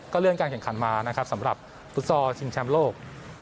เลื่อนการแข่งขันมานะครับสำหรับฟุตซอลชิงแชมป์โลก